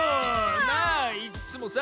なあいっつもさ